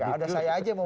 gak ada saya aja mau